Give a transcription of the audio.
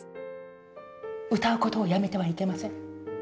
歌うことをやめてはいけません。